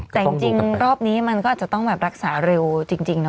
แต่จริงรอบนี้มันก็อาจจะต้องแบบรักษาเร็วจริงเนอ